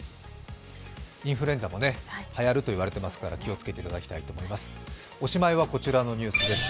インフルエンザもはやると言われていますから、気をつけていただきたいと思います。